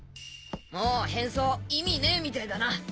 もう変装意味ねえみてえだな。